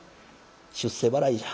出世払いじゃ。